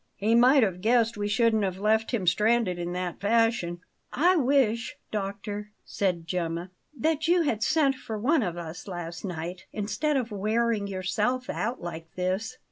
"He might have guessed we shouldn't have left him stranded in that fashion." "I wish, doctor," said Gemma, "that you had sent for one of us last night, instead of wearing yourself out like this."